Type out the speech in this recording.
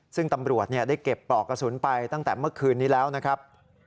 ซึ่งตำรวจได้เก็บปลอกกระสุนไปตั้งแต่เมื่อคืนนี้แล้วนะครับ